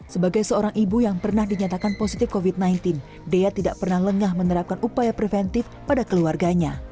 sebagai seorang ibu yang pernah dinyatakan positif covid sembilan belas dea tidak pernah lengah menerapkan upaya preventif pada keluarganya